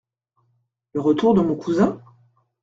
Le retour de mon cousin ?